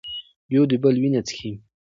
یو د بل وینې څښي.